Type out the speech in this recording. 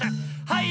はい！